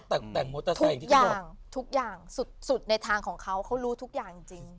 ทุกอย่างทุกอย่างสุดในทางของเขาเขารู้ทุกอย่างจริง